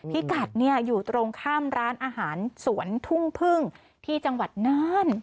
พี่กัดอยู่ตรงข้ามร้านอาหารสวนทุ่งที่จังหวัดน่าน